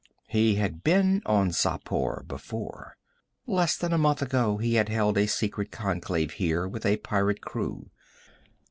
He had been on Xapur before. Less than a month ago he had held a secret conclave here with a pirate crew.